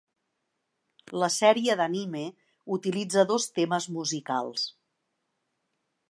La sèrie d'anime utilitza dos temes musicals.